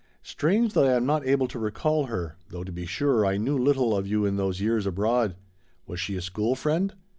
Strange that I am not able to recall her, though to be sure I knew little of you in those years abroad. Was she a school friend?